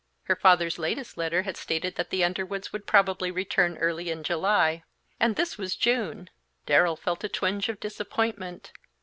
His father's latest letter had stated that the Underwoods would probably return early in July. And this was June! Darrell felt a twinge of disappointment.